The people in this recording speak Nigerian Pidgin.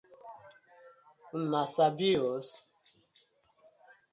Una sabi os?